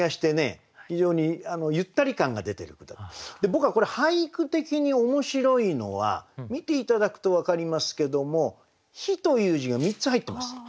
僕はこれ俳句的に面白いのは見て頂くと分かりますけども「日」という字が３つ入ってます。